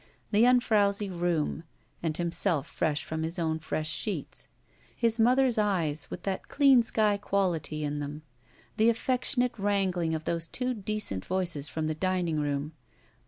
The unfrowsy room, and himself fresh from his own fresh sheets. His mother's eyes with that clean sky quality in them. The affectionate wrangling of those two decent voices from the dining room.